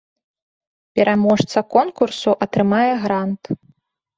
Пераможца конкурсу атрымае грант.